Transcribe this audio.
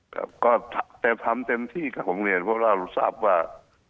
ก็แต่ทำเต็มที่ค่ะผมเรียนเพราะเรารู้ทราบว่า